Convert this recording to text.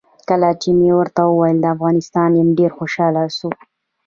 کله چې مې ورته وویل د افغانستان یم ډېر خوشاله شو.